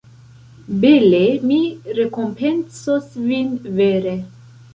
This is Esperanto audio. Bele mi rekompencos vin, vere!